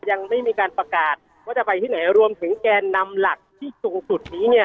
ยังไม่มีการประกาศว่าจะไปที่ไหนรวมถึงแกนนำหลักที่สูงสุดนี้เนี่ย